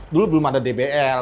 dulu belum ada dbl